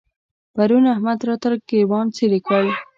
پرون احمد راته ګرېوان څيرې کړ.